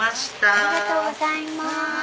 ありがとうございます。